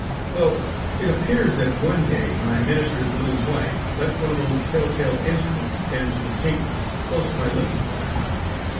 "Well, it appears that one day my minister's little wife left one of those tell tale instruments pinned to the paper, close to my looking glass.